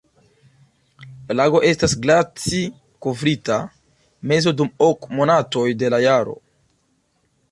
La lago estas glaci-kovrita meze dum ok monatoj de la jaro.